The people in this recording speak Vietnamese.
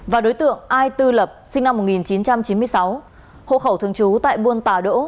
và đối tượng a tư lập sinh năm một nghìn chín trăm chín mươi sáu hộ khẩu thường trú tại buôn tà đỗ